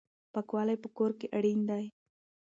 پاکوالی په کور کې اړین دی.